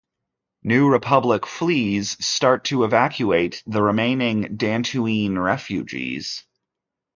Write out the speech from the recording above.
New Republic flees start to evacuate the remaining Dantooine refugees.